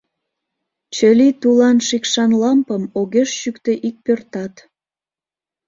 Чылий тулан шикшан лампым огеш чӱктӧ ик пӧртат.